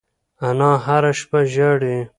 انا هره شپه ژاړي.